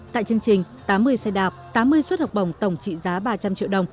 tại chương trình tám mươi xe đạp tám mươi suất học bổng tổng trị giá ba trăm linh triệu đồng